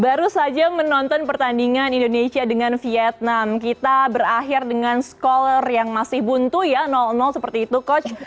baru saja menonton pertandingan indonesia dengan vietnam kita berakhir dengan skor yang masih buntu ya seperti itu coach